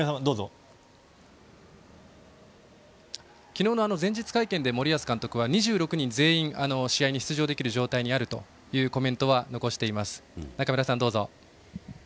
昨日の前日会見で森保監督は２６人全員、試合に出場できる状態にあるというコメントは残しています。